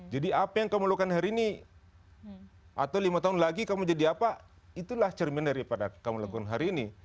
jadi apa yang kamu lakukan hari ini atau lima tahun lagi kamu menjadi apa itulah cermin daripada kamu lakukan hari ini